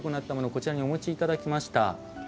こちらにお持ちいただきました。